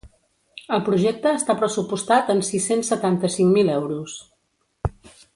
El projecte està pressupostat en sis-cents setanta-cinc mil euros.